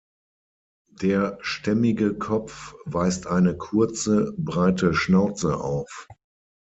Der stämmige Kopf weist eine kurze, breite Schnauze auf.